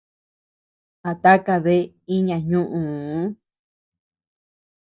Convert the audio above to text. ¿A takabea iña ñuʼüu?